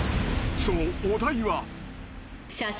［そのお題は］